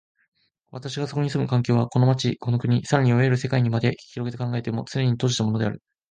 私がそこに住む環境は、この町、この国、更にいわゆる世界にまで拡げて考えても、つねに閉じたものである。